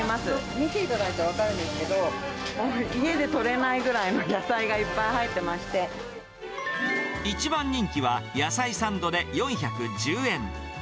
見ていただいたら分かるんですけど、家で取れないぐらいの野菜が一番人気は、野菜サンドで４１０円。